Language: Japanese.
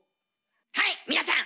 はい皆さん！